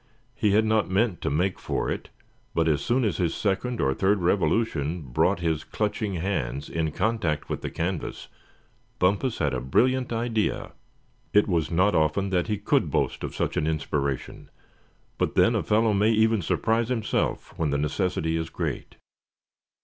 He had not meant to make for it, but as soon as his second or third revolution brought his clutching hands in contact with the canvas, Bumpus had a brilliant idea. It was not often that he could boast of such an inspiration; but then a fellow may even surprise himself when the necessity is great.